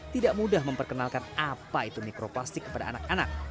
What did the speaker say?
tidak mudah memperkenalkan apa itu mikroplastik kepada anak anak